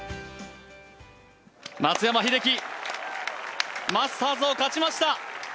松山英樹、マスターズを勝ちました。